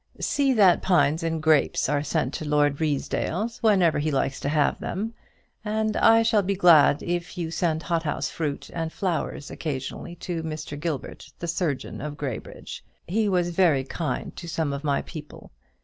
"See that pines and grapes are sent to Lord Ruysdale's, whenever he likes to have them; and I shall be glad if you send hothouse fruit and flowers occasionally to Mr. Gilbert, the surgeon of Graybridge. He was very kind to some of my people.